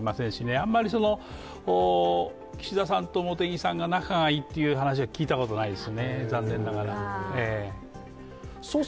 あまり岸田さんと茂木さんが仲がいいという話は聞いたことがないですよね残念ながら。